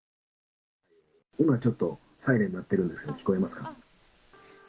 今ちょっと、サイレン鳴ってるんですけど、聞こえますか？